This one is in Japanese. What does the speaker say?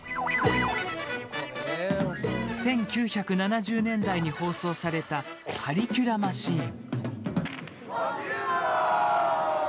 １９７０年代に放送された「カリキュラマシーン」。